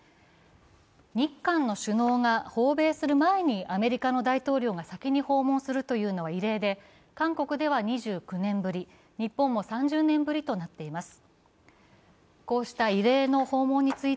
日韓の首脳が訪米する前にアメリカの大統領が先に訪問するというのは異例で韓国では２９年ぶり、日本も３０年ぶりとなっています。